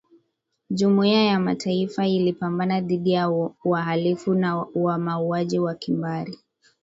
jumuiya ya mataifa ilipambana dhidi ya wahalifu wa mauaji ya kimbari